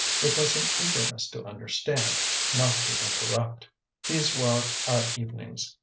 It was an eagerness to understand, not to interrupt. These were our evenings.